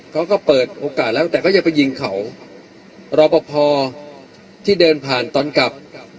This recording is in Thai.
เขาก็เปิดโอกาสแล้วแต่ก็จะไปยิงเขารอปภที่เดินผ่านตอนกลับ